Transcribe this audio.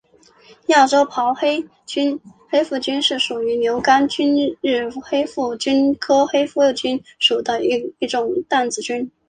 亚球孢黑腹菌是属于牛肝菌目黑腹菌科黑腹菌属的一种担子菌。